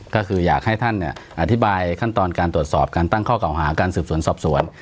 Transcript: ก็คืออยากให้ท่านอธิบายขั้นตอนการตรวจสอบการตั้งข้อเก่าหาการสืบสวนสอบสวน